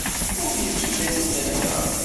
Ur nettu idrimen-nneɣ.